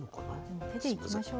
もう手でいきましょう。